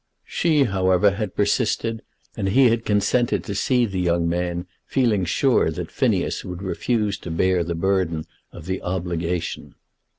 She, however, had persisted, and he had consented to see the young man, feeling sure that Phineas would refuse to bear the burden of the obligation.